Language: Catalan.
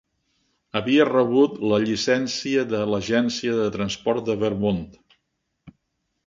Havia rebut la llicència de l'Agència de transport de Vermont.